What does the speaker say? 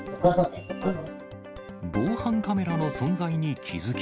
防犯カメラの存在に気付き